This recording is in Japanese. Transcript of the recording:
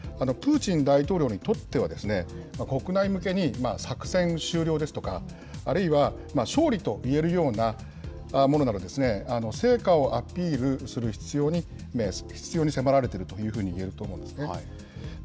プーチン大統領にとっては、国内向けに作戦終了ですとか、あるいは勝利といえるようなものなど、成果をアピールする必要に迫られているというふうにいえると思うんですね。